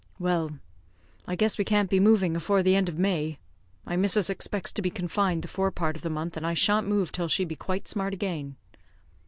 "Well, I guess we can't be moving afore the end of May. My missus expects to be confined the fore part of the month, and I shan't move till she be quite smart agin."